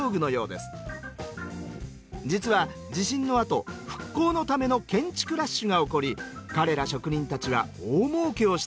実は地震の後復興のための建築ラッシュが起こり彼ら職人たちは大もうけをしたんです。